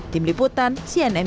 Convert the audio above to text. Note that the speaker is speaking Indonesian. tim liputan cnn